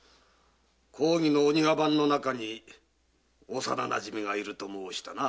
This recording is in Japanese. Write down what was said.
公儀のお庭番の中に幼なじみがいると申したな。